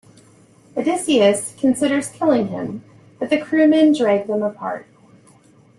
Odysseus considers killing him but the crewmen drag them apart.